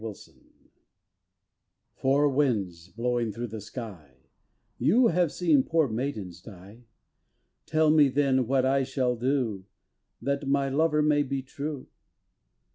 Four Winds "Four winds blowing through the sky, You have seen poor maidens die, Tell me then what I shall do That my lover may be true."